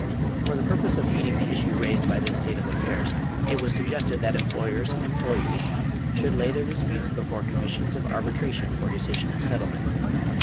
For the purpose of meeting the issue raised by this state of affairs, it was suggested that employers and employees should lay their disputes before commissions of arbitration for decision and settlement.